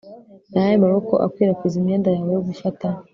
Ni ayahe maboko akwirakwiza imyenda yawe yo gufata